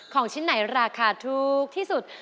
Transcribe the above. ของชิ้นไหนราคาถูกที่สุด